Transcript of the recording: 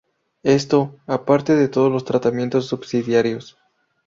Esto, aparte de todos los tratamientos subsidiarios.